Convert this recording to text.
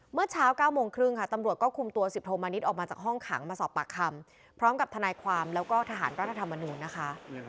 เมื่อเช้า๙โมงครึ่งค่ะตำรวจก็คุมตัว๑๐โทมณิษฐ์ออกมาจากห้องขังมาสอบปากคำพร้อมกับทนายความแล้วก็ทหารรัฐธรรมนูญนะคะ